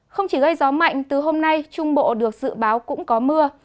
không chỉ gây gió mạnh từ hôm nay trung bộ được dự báo cũng có mưa